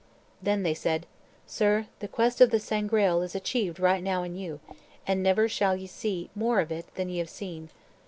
Then they said, "Sir, the quest of the Sangreal is achieved right now in you, and never shall ye see more of it than ye have seen."